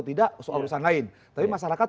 tidak soal urusan lain tapi masyarakat